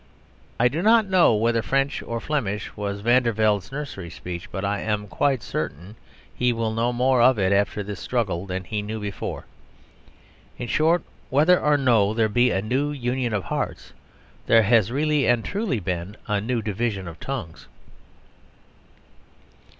I do not know whether French or Flemish was Vandervelde's nursery speech, but I am quite certain he will know more of it after this struggle than he knew before. In short, whether or no there be a new union of hearts, there has really and truly been a new division of tongues.